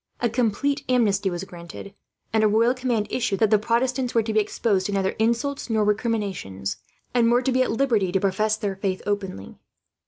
A complete amnesty was granted, and a royal command issued that the Protestants were to be exposed to neither insults nor recriminations, and were to be at liberty to profess their faith openly.